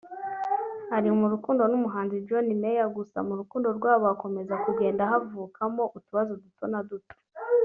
ari mu rukundo n’umuhanzi John Mayor gusa mu rukundo rwabo hakomeza kugenda havukamo utubazo duto duto